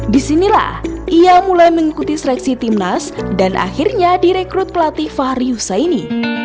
disinilah ia mulai mengikuti seleksi timnas dan akhirnya direkrut pelatih fahri husaini